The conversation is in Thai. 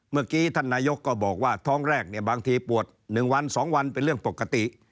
เมื่อกี้ท่านนายกก็บอกว่าท้องแรกบางทีปวด๑วัน๒วันว่าปกติ